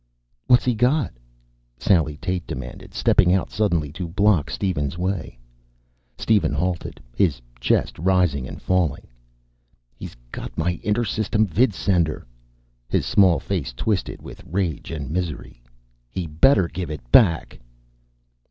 "What's he got?" Sally Tate demanded, stepping out suddenly to block Steven's way. Steven halted, his chest rising and falling. "He's got my intersystem vidsender." His small face twisted with rage and misery. "He better give it back!"